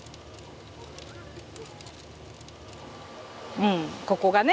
うんここがね